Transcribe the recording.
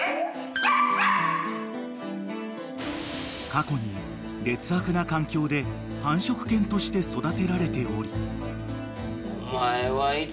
［過去に劣悪な環境で繁殖犬として育てられており］